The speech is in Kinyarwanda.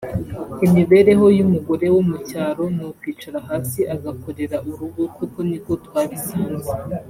imibereho y’umugore wo mu cyaro ni ukwicara hasi agakorera urugo kuko niko twabisanze